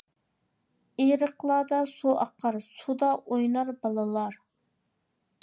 ئېرىقلاردا سۇ ئاقار، سۇدا ئوينار بالىلار.